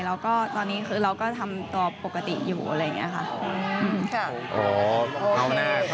แล้วก็ตอนนี้คือเราก็ทำตัวปกติอยู่อะไรอย่างนี้ค่ะ